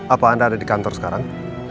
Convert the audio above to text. apa anda ada di kantor sekarang